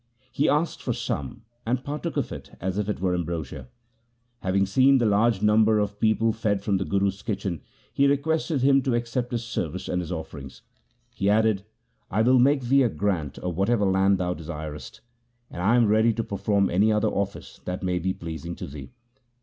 He asked for some and par took of it as if it were ambrosia. Having seen the large number of people fed from the Guru's kitchen he requested him to accept his service and his offer ings. He added, ' I will make thee a grant of what ever land thou desirest, and I am ready to perform any other office that may be pleasing to thee.'